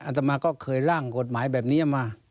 ตมาก็เคยร่างกฎหมายแบบนี้มา